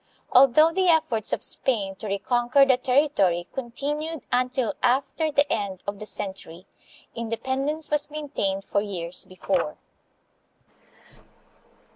Although the efforts of Spain to reconquer the territory continued until after the end of the cen tury, independence was maintained for years before.